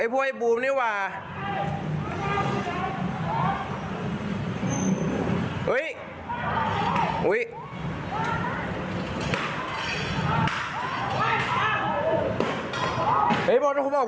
ไอ้พวกไอ้บูมนี่หว่า